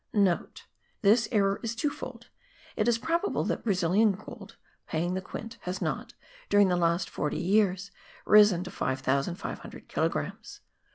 (* This error is twofold: it is probable that Brazilian gold, paying the quint, has not, during the last forty years, risen to 5500 kilogrammes.